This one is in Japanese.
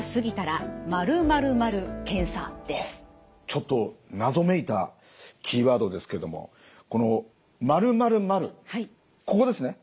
ちょっと謎めいたキーワードですけどもこの○○○ここですね？